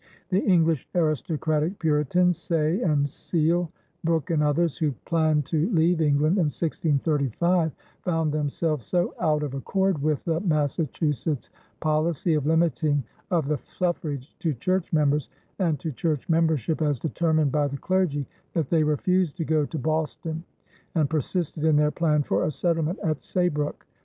The English aristocratic Puritans, Saye and Sele, Brooke, and others, who planned to leave England in 1635, found themselves so out of accord with the Massachusetts policy of limiting of the suffrage to church members and to church membership as determined by the clergy that they refused to go to Boston, and persisted in their plan for a settlement at Saybrook.